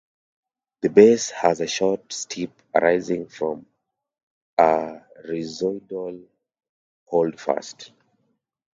The base has a short stipe arising from a rhizoidal holdfast.